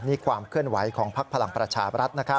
นี่ความเคลื่อนไหวของพักพลังประชาบรัฐ